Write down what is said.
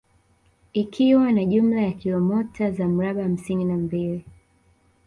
Ikiwa na jumla ya kilomota za mraba hamsini na mbili